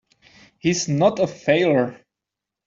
He's not a failure!